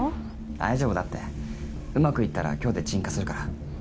大丈夫だってうまく行ったら今日で鎮火するから。